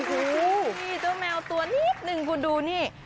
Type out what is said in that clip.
ฮูมีสองตัวแมวนิดนึงคุณดูนี่